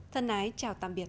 thân ái chào tạm biệt